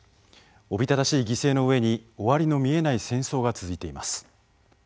おびただしい犠牲の上に終わりの見えない戦争が続いています。